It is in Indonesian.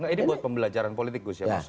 ini untuk pembelajaran politik